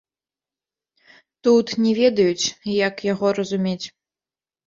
Тут не ведаюць, як яго разумець.